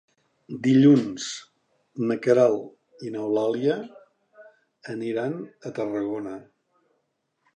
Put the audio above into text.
Dilluns na Queralt i n'Eulàlia aniran a Tarragona.